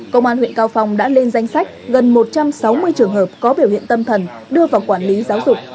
công an huyện cao phong đã lên danh sách gần một trăm sáu mươi trường hợp có biểu hiện tâm thần đưa vào quản lý giáo dục